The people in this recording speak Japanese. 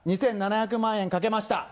２７００万円かけました。